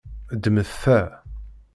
Ddmet ta.